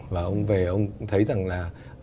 và ông về ông thấy rằng là